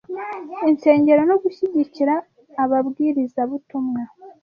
insengero no gushyigikira ababwirizabutumwa.